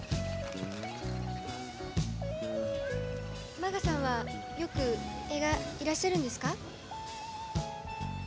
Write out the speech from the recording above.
満賀さんはよく映画いらっしゃるんですか？